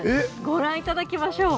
ご覧いただきましょう。